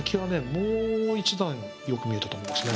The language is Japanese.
もう一段よく見えたと思いますね。